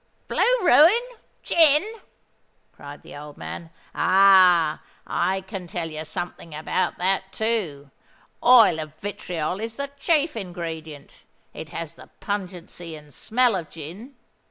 "Blue ruin—gin!" cried the old man. "Ah! I can tell you something about that too. Oil of vitriol is the chief ingredient: it has the pungency and smell of gin.